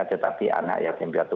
tetapi anak yatim piatu